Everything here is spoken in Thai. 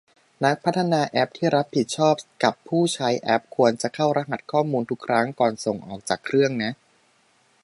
นักพัฒนาแอปที่รับผิดชอบกับผู้ใช้แอป ควรจะเข้ารหัสข้อมูลทุกครั้งก่อนส่งออกจากเครื่องนะ